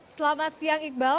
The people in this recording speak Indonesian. selamat siang iqbal